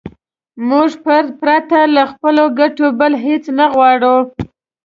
موږ پرته له خپلو ګټو بل هېڅ نه غواړو.